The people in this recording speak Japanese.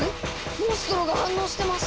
モンストロが反応してます！